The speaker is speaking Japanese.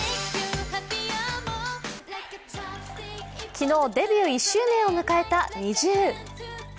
昨日、デビュー１周年を迎えたＮｉｚｉＵ。